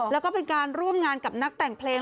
แล้วก็เป็นการร่วมงานกับนักแต่งเพลง